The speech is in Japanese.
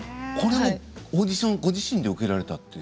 オーディションもご自身で受けられたと。